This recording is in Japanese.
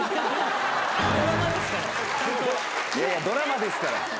ドラマですから。